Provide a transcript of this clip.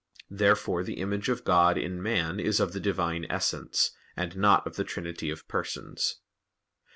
Therefore the image of God in man is of the Divine Essence, and not of the Trinity of Persons.